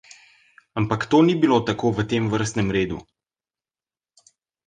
Ampak to ni bilo tako v tem vrstnem redu.